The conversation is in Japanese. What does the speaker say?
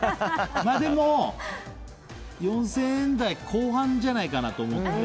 でも、４０００円台後半じゃないかなと思って。